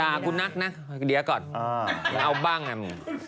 กูนักนะเดี๋ยวก่อนเอาบ้างอ่ะมึง